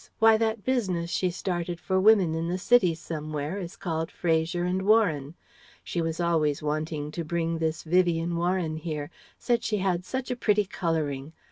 Why that business she started for women in the City somewhere is called Fraser and Warren. She was always wanting to bring this Vivien Warren here. Said she had such a pretty colouring.